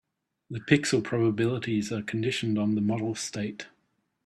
The pixel probabilities are conditioned on the model state.